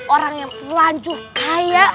orang yang lanjut kaya